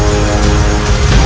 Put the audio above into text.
kau tak bisa menyembuhkan